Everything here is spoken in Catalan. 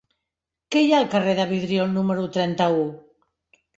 Què hi ha al carrer del Vidriol número trenta-u?